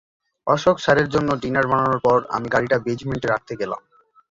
অশোক স্যারের জন্য ডিনার বানানোর পর, আমি গাড়িটা বেজমেন্টে রাখতে গেলাম।